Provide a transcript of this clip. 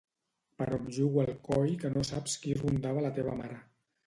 Però em jugo el coll que no saps qui rondava la teva mare.